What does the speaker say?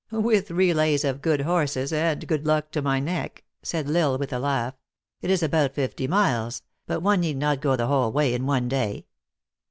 " With relays of good horses, and good luck to my neck," said L Isle, with a laugh. " It is about fifty miles ; but one need not go the whole way in one day."